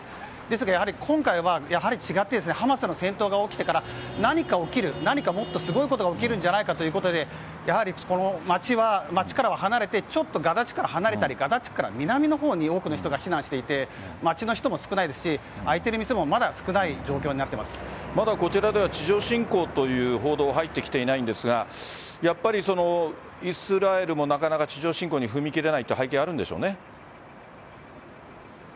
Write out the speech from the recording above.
ですが、今回は違ってハマスの戦闘が起きてから何かもっとすごいことが起きるんじゃないかということで街からは離れてちょっとガザ地区から離れたりガザ地区から南の方に避難していて街の人も少ないですし開いている店もこちらでは地上侵攻という報道が入ってきていないんですがイスラエルも、なかなか地上侵攻に踏み切れない背景があるんでしょうね。